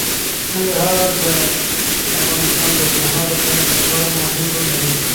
ننګرهار د افغانستان د اوږدمهاله پایښت لپاره مهم رول لري.